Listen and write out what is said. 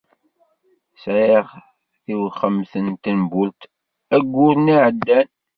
Sεiɣ tiwxemt n tembult ayyur-nni iεeddan.